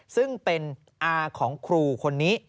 ซึ่งเป็นอาของครูคนนี้